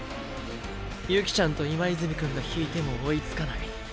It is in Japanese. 雪成ちゃんと今泉くんが引いても追いつかない。